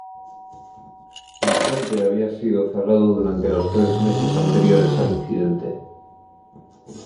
El puente había sido cerrado durante los tres meses anteriores al incidente.